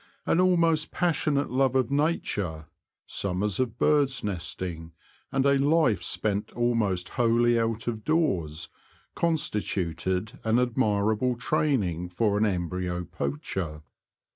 An almost passionate love of nature, summers of birds' nesting, and a life spent almost wholly out of doors constituted an admirable training for an embryo poacher.